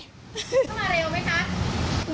ก็มาเร็วไหมคะ